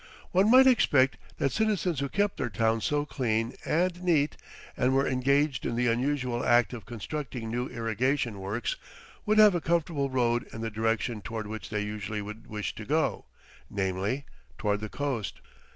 One might expect that citizens who kept their town so clean and neat and were engaged in the unusual act of constructing new irrigation works would have a comfortable road in the direction toward which they usually would wish to go, namely, toward the coast.